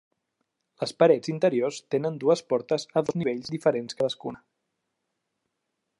Les parets interiors tenen dues portes a dos nivells diferents cadascuna.